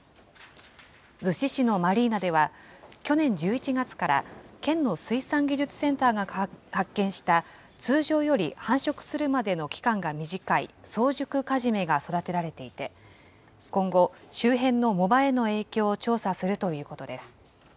逗子市のマリーナでは、去年１１月から県の水産技術センターが発見した通常より繁殖するまでの期間が短い早熟カジメが育てられていて、今後、周辺の藻場への影響を調査するということです。